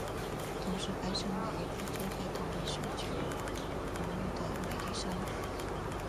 同时爱上了一个住在同一所公寓的美丽少女。